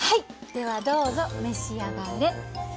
ではどうぞ召し上がれ。